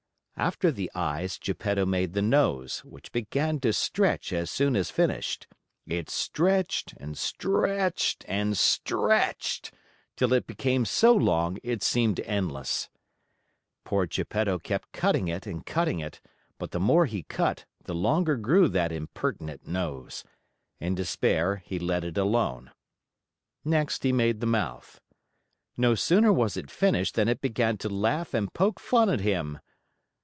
After the eyes, Geppetto made the nose, which began to stretch as soon as finished. It stretched and stretched and stretched till it became so long, it seemed endless. Poor Geppetto kept cutting it and cutting it, but the more he cut, the longer grew that impertinent nose. In despair he let it alone. Next he made the mouth. No sooner was it finished than it began to laugh and poke fun at him.